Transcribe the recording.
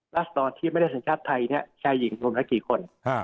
ศดรที่ไม่ได้สัญชาติไทยชายหญิงรวมละกี่คน